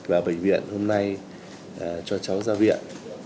và bệnh viện hôm nay cho cháu ra viện